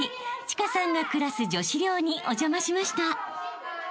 千佳さんが暮らす女子寮にお邪魔しました］